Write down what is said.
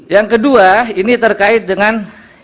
yang kedua ini terkait dengan